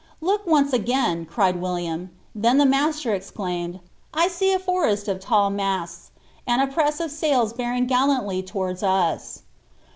^ Look once again," cried William ; then the master exclaimed, ^ I see a forest of tall masts and a press of sails bearing gallantly towards U8."